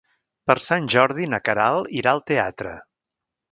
Per Sant Jordi na Queralt irà al teatre.